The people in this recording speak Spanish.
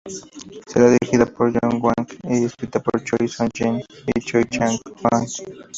Será dirigida por Jo Young-kwang y escrita por Choi Soo-jin y Choi Chang-hwan.